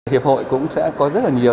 hiệp hội cũng sẽ có rất là nhiều